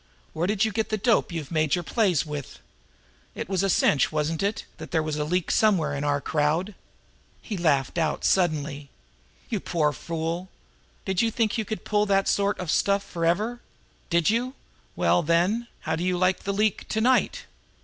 Where did you get the dope you made your plays with? It was a cinch, wasn't it, that there was a leak somewhere in our own crowd?" He laughed out suddenly. "You poor fool! Did you think you could pull that sort of stuff forever? Did you? Well, then, how do you like the 'leak' to night?